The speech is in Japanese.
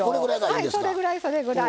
それぐらいそれぐらい。